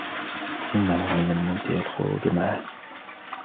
إنهُ من الممتع الخروج معهُ.